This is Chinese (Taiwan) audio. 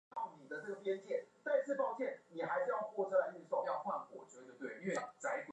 食品業製造奶粉時